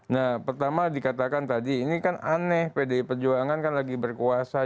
nah pertama dikatakan tadi ini kan aneh pdi perjuangan kan lagi berkuasa